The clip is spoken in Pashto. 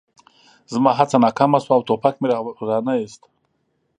زما هڅه ناکامه شوه او ټوپک مې را نه ایست